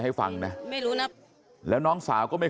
ชาวบ้านในพื้นที่บอกว่าปกติผู้ตายเขาก็อยู่กับสามีแล้วก็ลูกสองคนนะฮะ